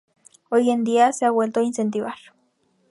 Hoy en día se ha vuelto a incentivar.